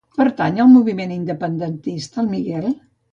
Pertany al moviment independentista el Miguel?